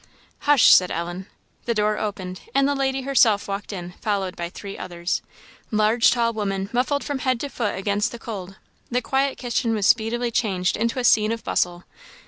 "Hush!" said Ellen. The door opened, and the lady herself walked in, followed by three others large, tall women, muffled from head to foot against the cold. The quiet kitchen was speedily changed into a scene of bustle.